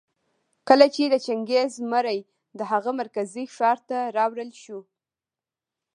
کله چي د چنګېز مړى د هغه مرکزي ښار ته راوړل شو